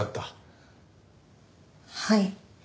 はい。